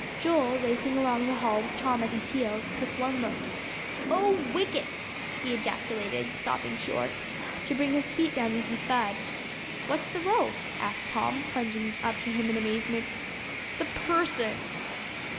Joel, racing along the hall with Tom at his heels, took one look. "Oh, whickets!" he ejaculated, stopping short, to bring his feet down with a thud. "What's the row?" asked Tom, plunging up to him in amazement. "That person."